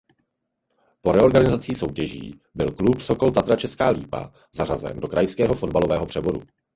Po reorganizací soutěží byl klub Sokol Tatra Česká Lípa zařazen do krajského fotbalového přeboru.